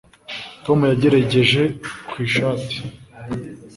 Tom yagerageje ku ishati